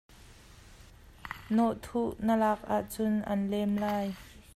Nawhthuh na lak ahcun a'n lem lai.